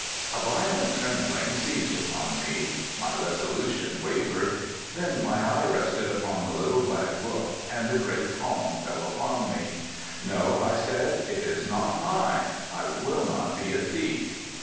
A violent trembling seized upon me. My resolution wavered, then my eye rested upon the little black book and a great calm fell upon me. "No," I said, "it is not mine, I will not be a thief."